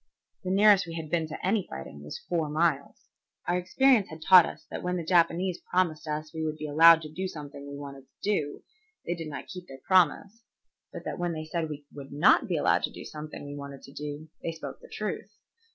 The nearest we had been to any fighting was four miles. Our experience had taught us that when the Japanese promised us we would be allowed to do something we wanted to do, they did not keep their promise; but that when they said we would not be allowed to do something we wanted to do, they spoke the truth.